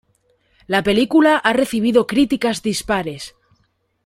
La película ha recibido críticas dispares.